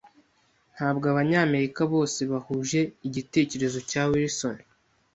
Ntabwo Abanyamerika bose bahuje igitekerezo cya Wilson.